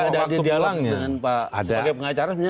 mungkin dia nggak ada di dialog dengan pak sebagai pengacaranya